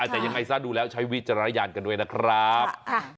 แต่ยังไงซะดูแล้วใช้วิจารณญาณกันด้วยนะครับ